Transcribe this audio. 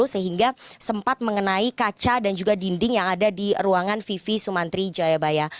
sehingga sempat mengenai kaca dan juga dinding yang ada di ruangan vivi sumantri jayabaya